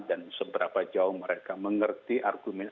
dan seberapa jauh mereka mengerti argumen argumennya